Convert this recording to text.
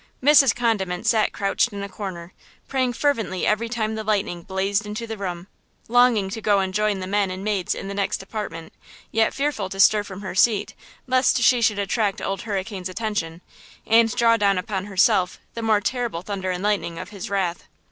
Mrs. Condiment sat crouched in a corner, praying fervently every time the lightning blazed into the room, longing to go and join the men and maids in the next apartment, yet fearful to stir from her seat lest she should attract Old Hurricane's attention, and draw down upon herself the more terrible thunder and lightning of his wrath.